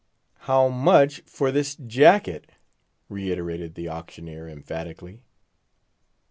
"How much for this jacket?" reiterated the auctioneer, emphatically.